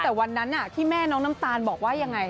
แต่วันนั้นที่แม่น้องน้ำตาลบอกว่ายังไง